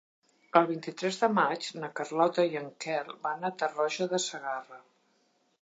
El vint-i-tres de maig na Carlota i en Quel van a Tarroja de Segarra.